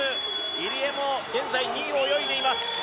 入江も、現在２位を泳いでいます。